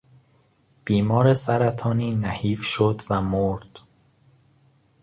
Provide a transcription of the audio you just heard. بیمار سرطانی نحیف شد و مرد.